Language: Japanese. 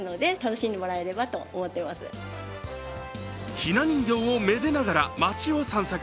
ひな人形をめでながら町を散策。